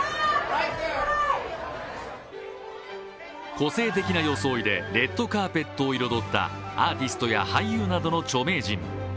個性的な装いでレッドカーペットを彩ったアーティストや俳優などの著名人。